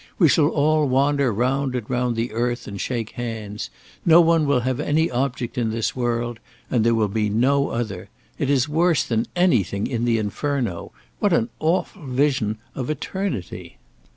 We shall all wander round and round the earth and shake hands. No one will have any object in this world, and there will be no other. It is worse than anything in the 'Inferno.' What an awful vision of eternity!"